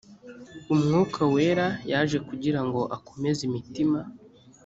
umwuka wera yaje kugira ngo akomeze imitima